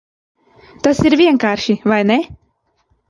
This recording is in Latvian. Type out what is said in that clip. Tas ir vienkārši, vai ne?